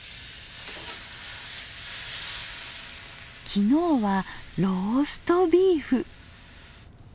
昨日はローストビーフ。